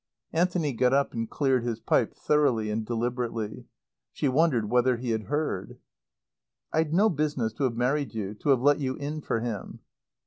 Anthony got up and cleared his pipe, thoroughly and deliberately. She wondered whether he had heard. "I'd no business to have married you to have let you in for him."